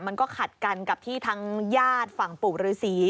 มันก็ขัดกันกับที่ทางญาติฝั่งปู่ฤษี